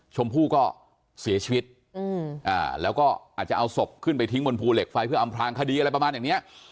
ชมพู่ก็เสียชีวิตแล้วก็อาจจะเอาศพขึ้นไปทิ้งบนภูเหล็กไฟเพื่ออำพลางคดีอะไรประมาณอย่างนี้